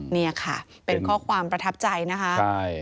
นี่ค่ะเป็นข้อความประทับใจนะคะใช่